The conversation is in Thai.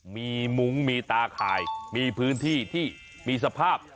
มีมุ้งมีตาข่ายมีพื้นที่ที่มีสภาพ